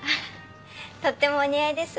とってもお似合いです。